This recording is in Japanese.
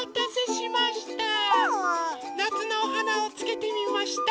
なつのおはなをつけてみました。